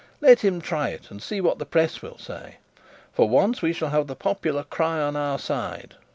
Let him try it, and see what the press will say. For once we shall have the popular cry on our side.